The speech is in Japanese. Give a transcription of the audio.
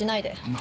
何？